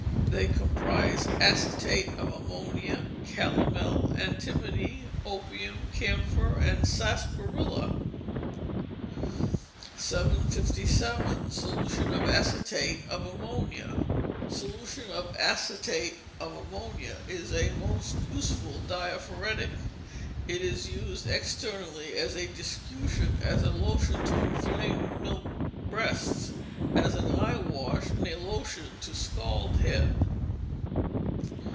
They comprise acetate of ammonia, calomel, antimony, opium, camphor, sarsaparilla. 757. Solution of Acetate of Ammonia Solution of Acetate of Ammonia is a most useful diaphoretic. It is used externally as a discutient, as a lotion to inflamed milk breasts, as an eye wash, and a lotion in scald head.